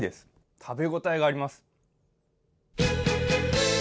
食べ応えがあります。